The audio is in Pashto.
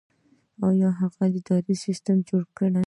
هغه اداري سیستم جوړ کړ.